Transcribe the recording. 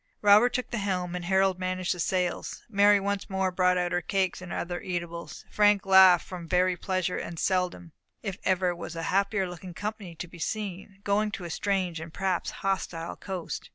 Robert took the helm, and Harold managed the sails. Mary once more brought out her cakes and other eatables. Frank laughed from very pleasure; and seldom, if ever, was a happier looking company to be seen, going to a strange and perhaps a hostile coast.